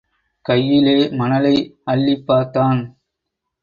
கையிலே மணலை அள்ளிப் பார்த்தான்.